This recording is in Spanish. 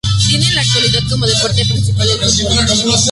Tiene en la actualidad como deporte principal el fútbol.